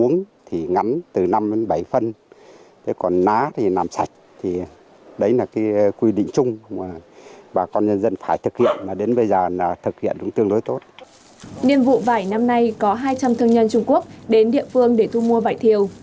niên vụ vải năm nay có hai trăm linh thương nhân trung quốc đến địa phương để thu mua vải thiều